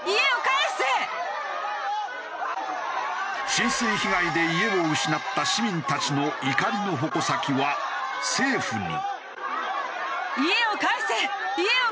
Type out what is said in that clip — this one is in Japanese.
浸水被害で家を失った市民たちの怒りの矛先は政府に。